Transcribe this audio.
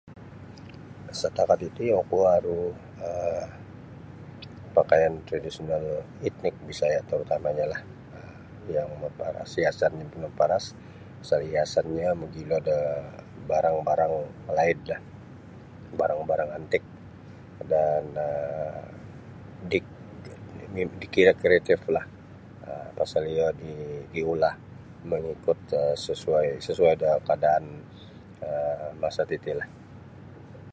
Satakat iti oku aru um pakaian tradisional etnik Bisaya tarutamanyolah um yang maparas hiasannyo maparas pasal hiasannyo mogilo da barang-barang laidlah barang-barang antik dan dik dikira kreatiflah um pasal iyo diulah mengikut sesuai da kaadaan um masa titilah.